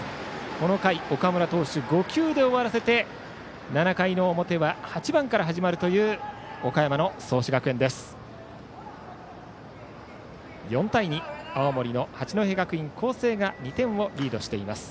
この回、岡村投手５球で終わらせて７回の表は８番から始まるという岡山の創志学園です。